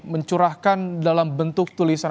mencurahkan dalam bentuk tulisan